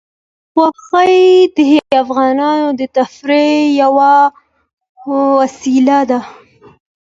غوښې د افغانانو د تفریح یوه وسیله ده.